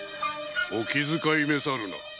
⁉お気遣い召さるな。